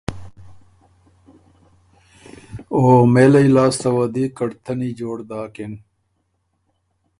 او مېلئ لاسته وه دی کړتنی جوړ داکِن۔